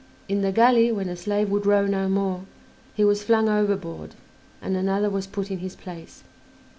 In the galley, when a slave would row no more he was flung overboard and another was put in his place.